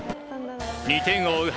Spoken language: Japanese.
２点を追う